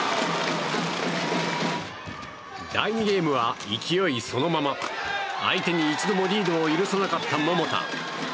第２ゲームは勢いそのまま相手に一度もリードを許さなかった桃田。